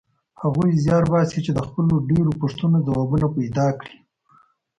هغوی زیار باسي چې د خپلو ډېرو پوښتنو ځوابونه پیدا کړي.